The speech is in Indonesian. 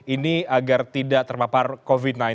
ini agar tidak terpapar covid sembilan belas